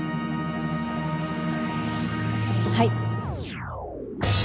はい。